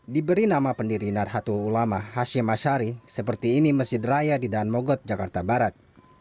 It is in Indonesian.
diberi nama pendiri nahdlatul ulama hashim ashari seperti ini masjid raya di daan mogot jakarta barat